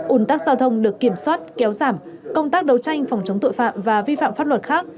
ủn tắc giao thông được kiểm soát kéo giảm công tác đấu tranh phòng chống tội phạm và vi phạm pháp luật khác